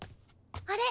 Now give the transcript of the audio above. あれ？